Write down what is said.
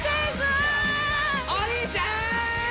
お兄ちゃん！